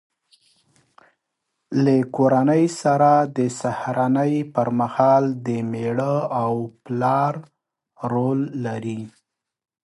له کورنۍ سره د سهارنۍ پر مهال د مېړه او پلار رول لري.